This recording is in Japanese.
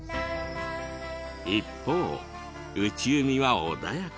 一方内海は穏やか。